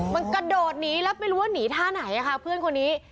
มันกระโดดหนีแล้วไม่รู้ว่าหนีท่าไหนค่ะเพื่อนคนนี้